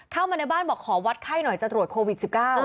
เข้ามาในบ้านบอกขอวัดไข้หน่อยจะตรวจโควิด๑๙